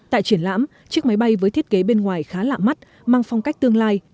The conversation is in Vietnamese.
tại triển lãm chiếc máy bay với thiết kế bên ngoài khá lạ mắt mang phong cách tương lai